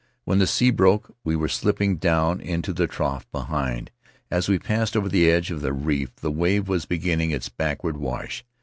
When the sea broke we were slipping down into the trough behind; as we passed over the edge of the reef the wave was beginning its backward wash.